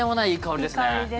いい香りですね。